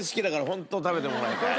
ホント食べてもらいたい。